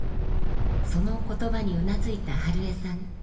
その言葉にうなずいた春江さん。